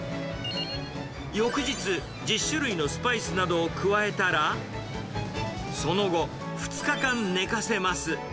翌日、１０種類のスパイスなどを加えたら、その後、２日間寝かせます。